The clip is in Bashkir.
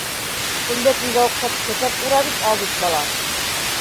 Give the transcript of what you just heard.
Әллә кемгә оҡшап, сәпәп ура бит, алйот бала!